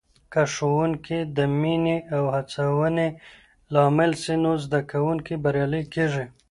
که ښوونکې د مینې او هڅونې لامل سي، نو زده کوونکي بریالي کېږي.